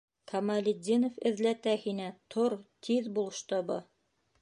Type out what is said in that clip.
Камалетдинов эҙләтә һине, тор, тиҙ бул штобы!